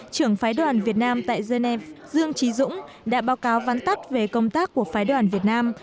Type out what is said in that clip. trưởng phái đoàn việt nam tại geneva dương trí dũng đã báo cáo vắn tắt về công tác của phái đoàn việt nam